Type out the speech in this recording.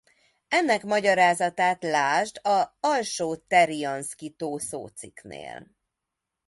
Ennek magyarázatát lásd a Alsó-Terianszki-tó szócikknél.